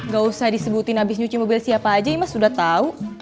gak usah disebutin abis nyuci mobil siapa aja ya mas udah tau